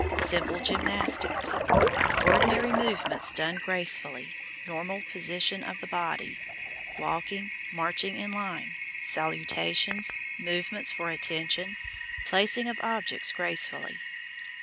Simple gymnastics: Ordinary movements done gracefully, normal position of the body, walking, marching in line, salutations, movements for attention, placing of objects gracefully.